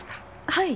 はい。